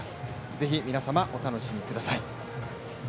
是非、皆様お楽しみください。